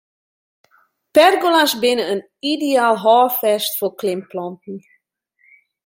Pergola's binne in ideaal hâldfêst foar klimplanten.